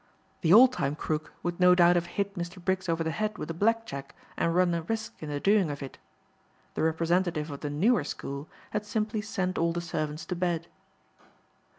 The old time crook would no doubt have hit Mr. Briggs over the head with a black jack and run a risk in the doing of it. The representative of the newer school had simply sent all the servants to bed.